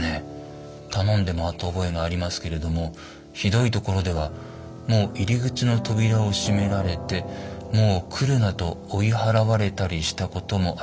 「頼んで回った覚えがありますけれどもひどいところではもう入口の扉を閉められてもう来るなと追い払われたりしたこともありますからね。